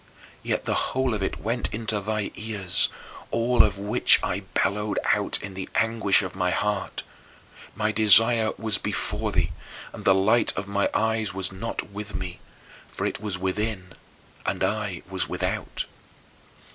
Yet the whole of it went into thy ears, all of which I bellowed out in the anguish of my heart. My desire was before thee, and the light of my eyes was not with me; for it was within and I was without.